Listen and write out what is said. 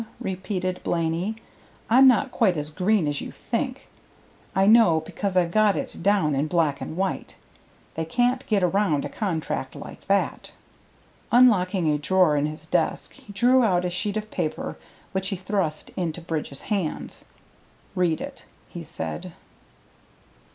repeated Blaney. "I'm not quite as green as you think. I know because I've got it down in black and white. They can't get around a contract like that." Unlocking a drawer in his desk, he drew out a sheet of paper which he thrust into Bridge's hands. "Read it," he said.